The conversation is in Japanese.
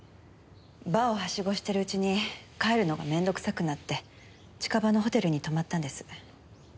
バーをハシゴしてるうちに帰るのが面倒くさくなって近場のホテルに泊まったんです。